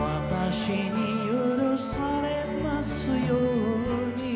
「私に許されますように」